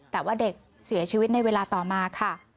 แต่ว่าเด็กเสียชีวิตในเวลาต่อมาค่ะ